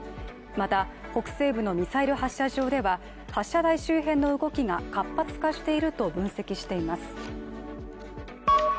また北西部のミサイル発射場では発射台周辺の動きが活発化していると分析しています。